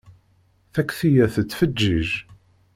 Takti-ya tettfeǧǧiǧ!